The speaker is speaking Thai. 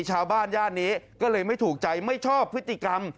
ย่านนี้ก็เลยไม่ถูกใจไม่ชอบพฤติกรรม